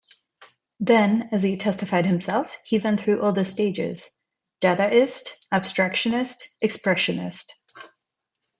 Then, as he testified himself, he went through all the stages: "Dadaist, Abstractionist, Expressionist".